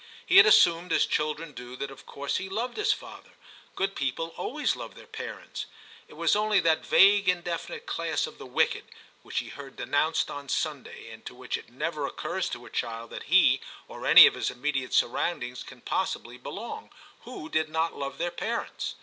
He had assumed, as children do, that of course he loved his father ; good people always love their parents. It was only that vague inde finite class of *the wicked,' which he heard denounced on Sunday, and to which it never occurs to a child that he or any of his immediate surroundings can possibly belong, who did not love their parents.